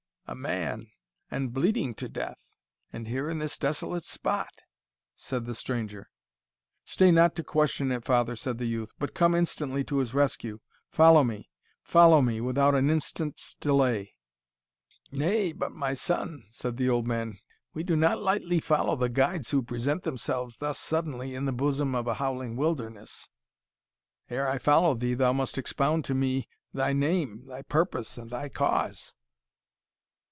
"A man and bleeding to death and here in this desolate spot!" said the stranger. "Stay not to question it, father," said the youth, "but come instantly to his rescue. Follow me, follow me, without an instant's delay." "Nay, but, my son," said the old man, "we do not lightly follow the guides who present themselves thus suddenly in the bosom of a howling wilderness. Ere I follow thee, thou must expound to me thy name, thy purpose, and thy cause."